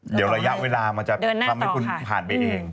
เดี๋ยวระยะเวลามันจะทำให้คุณผ่านไปเอง